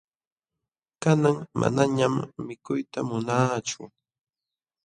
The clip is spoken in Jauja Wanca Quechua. Kanan manañam mikuyta munaachu.